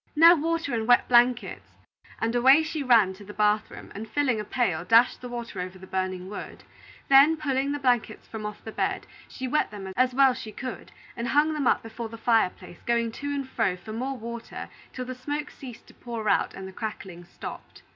"Now water and wet blankets," and away she ran to the bath room, and filling a pail, dashed the water over the burning wood. Then, pulling the blankets from off the bed, she wet them as well as she could, and hung them up before the fire place, going to and fro for more water till the smoke ceased to pour out and the crackling stopped.